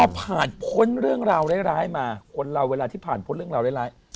พอผ่านพ้นเรื่องราวร้ายมาคนเราเวลาที่ผ่านพ้นเรื่องราวร้าย